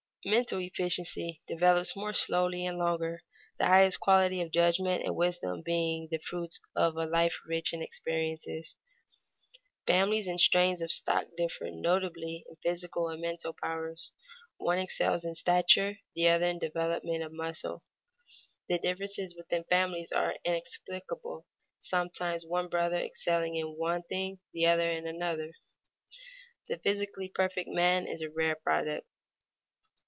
Mental efficiency develops more slowly and longer, the highest qualities of judgment and wisdom being the fruits only of a life rich in experiences. Families and strains of stock differ notably in physical and mental powers; one excels in stature, another in development of muscle. The differences within families are inexplicable, sometimes one brother excelling in one thing, the other in another. The physically perfect man is a rare product.